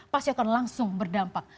pasti akan langsung berdampak